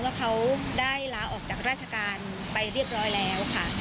ว่าเขาได้ลาออกจากราชการไปเรียบร้อยแล้วค่ะ